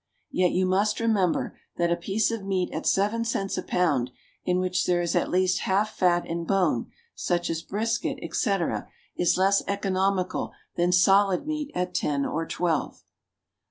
Yet you must remember, that a piece of meat at seven cents a pound, in which there is at least half fat and bone, such as brisket, etc., is less economical than solid meat at ten or twelve.